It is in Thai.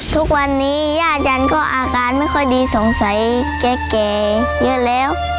ทุกวันนี้ย่าจันทร์ก็อาการไม่ค่อยดีสงสัยแก่เยอะแล้ว